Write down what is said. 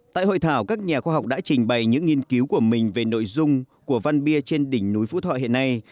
tại hội thảo các nhà khoa học đã trình bày những nghiên cứu của mình về nội dung của văn bia trên đỉnh núi phú thọ hiện nay